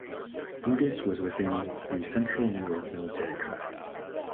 Brutus was within the Central New York Military Tract.